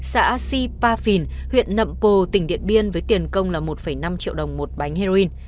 xã sipa phìn huyện nậm pồ tỉnh điện biên với tiền công là một năm triệu đồng một bánh heroin